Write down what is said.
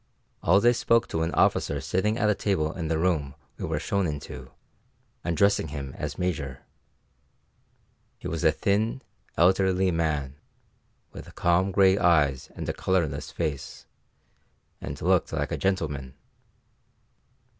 Alday spoke to an officer sitting at a table in the room we were shown into, addressing him as Major. He was a thin, elderly man, with calm grey eyes and a colourless face, and looked like a gentleman.